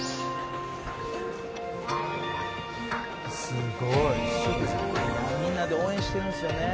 「すごい」「みんなで応援してるんですよね」